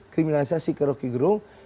kriminalisasi ke roky gerung